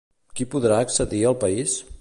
Qui podrà accedir al país?